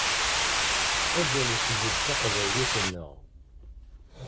Ad nesbedd taqbaylit-nneɣ.